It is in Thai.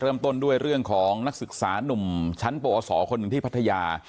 เริ่มต้นด้วยเรื่องของนักศึกษานุ่มชั้นปศคนหนึ่งที่พัทยา